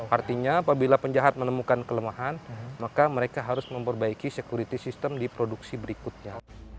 artinya apabila penjahat menemukan kelemahan maka mereka harus memperbaiki security system di produksi berikutnya